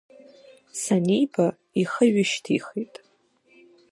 Саниба, ихы ҩышьҭихит…